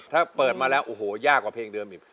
ถ้าเปิดมาแล้วโอ้โหยากกว่าเพลงเดิมอีก